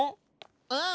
うん！